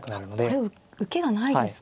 これ受けがないですか。